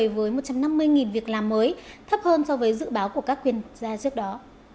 với một trăm năm mươi việc làm mới thấp hơn so với dự báo của các quyền gia trước đó